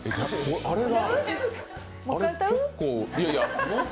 あれが？